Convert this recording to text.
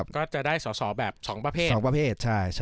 ก็จะได้สอบแบบ๒ประเภท